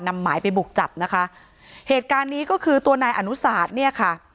นำหมายไปบุกจับนะคะเหตุการณ์นี้ก็คือตัวนายอนุสาธเนี่ยค่ะ